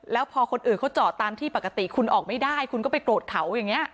แล้วพอคนอื่นเขาจอดตามที่ปกติคุณออกไม่ได้คุณก็ไปโกรธเขาอย่างนี้